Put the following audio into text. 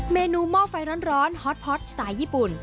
เมนูหม้อไฟร้อนฮอตฮอตสไตล์ญี่ปุ่น